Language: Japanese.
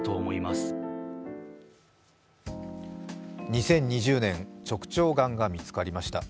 ２０２０年、直腸がんが見つかりました。